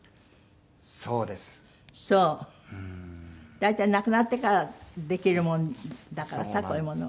大体亡くなってからできるもんだからさこういうものは。